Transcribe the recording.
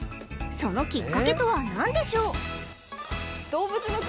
そのきっかけとは何でしょう？